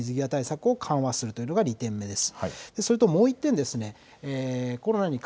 水際対策を緩和するというのが２点目です。